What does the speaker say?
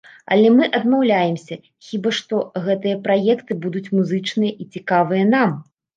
Але мы адмаўляемся, хіба што, гэтыя праекты будуць музычныя і цікавыя нам.